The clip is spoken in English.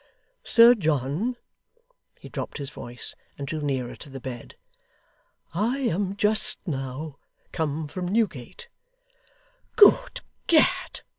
'Sir John' he dropped his voice and drew nearer to the bed 'I am just now come from Newgate ' 'Good Gad!